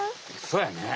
そうやね。